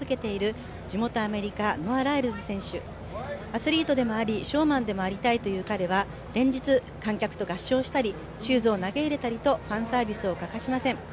アスリートでもありショウマンでもありたいという彼は連日、観客と合唱したりシューズを投げ入れたりとファンサービスを欠かしません。